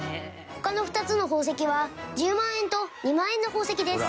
他の２つの宝石は１０万円と２万円の宝石です。